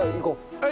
はい。